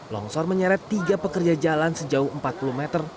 longsor menyeret tiga pekerja jalan sejauh empat puluh meter